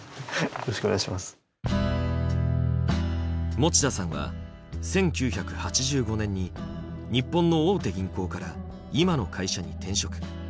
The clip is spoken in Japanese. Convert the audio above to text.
持田さんは１９８５年に日本の大手銀行から今の会社に転職。